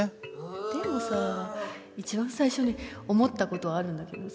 でもさ一番最初に思ったことあるんだけどさ。